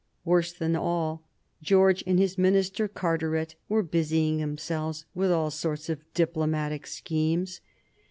Worse than all, George and his minister Carteret were busying themselves with all sorts of diplomatic schemes.